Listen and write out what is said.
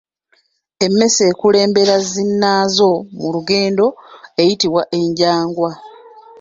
Emmese ekulembera zinnaazo mu lugendo eyitibwa enjangwa.